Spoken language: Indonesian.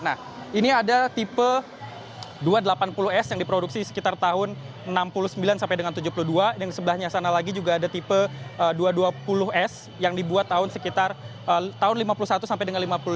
nah ini ada tipe dua ratus delapan puluh s yang diproduksi sekitar tahun seribu sembilan ratus enam puluh sembilan sampai dengan tujuh puluh dua yang sebelahnya sana lagi juga ada tipe dua ratus dua puluh s yang dibuat tahun sekitar tahun seribu sembilan ratus lima puluh satu sampai dengan lima puluh lima